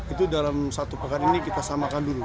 itu dalam satu pekan ini kita samakan dulu